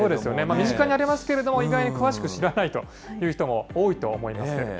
身近にありますけれども、意外に詳しく知らないという人も多いと思いますけれども。